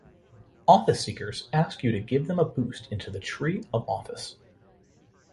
Office-seekers ask you to give them a boost into the tree of office.